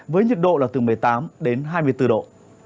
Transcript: với nhiệt độ là từ một mươi tám đến hai mươi bốn độ